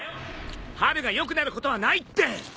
ハルがよくなることはないって！